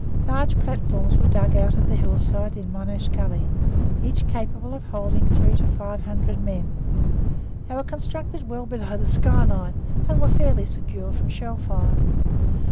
Large platforms were dug out of the hillsides in Monash Gully, each capable of holding three to five hundred men; they were constructed well below the sky line, and were fairly secure from shell fire.